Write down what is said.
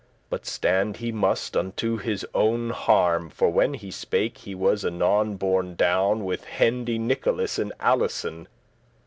But stand he must unto his owen harm, For when he spake, he was anon borne down With Hendy Nicholas and Alisoun.